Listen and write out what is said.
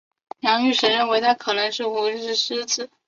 梁玉绳认为他可能是虢石父之子。